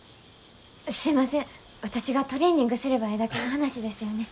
すいません私がトレーニングすればええだけの話ですよね。